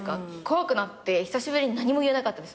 怖くなって久しぶりに何も言えなかったです。